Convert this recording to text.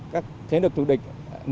các thế lực thù địch